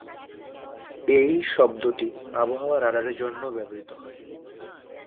এই শব্দটি আবহাওয়া রাডারের জন্যও ব্যবহৃত হয়।